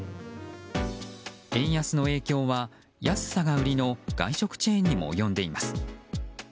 円安の影響は安さが売りの外食チェーンにも及んでいます。